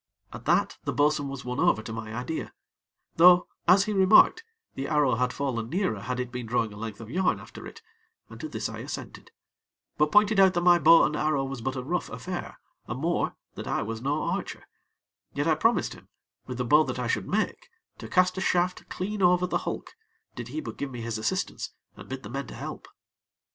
At that, the bo'sun was won over to my idea; though, as he remarked, the arrow had fallen nearer had it been drawing a length of yarn after it, and to this I assented; but pointed out that my bow and arrow was but a rough affair, and, more, that I was no archer; yet I promised him, with the bow that I should make, to cast a shaft clean over the hulk, did he but give me his assistance, and bid the men to help.